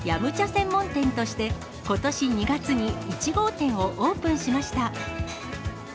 専門店として、ことし２月に１号店をオープンしました。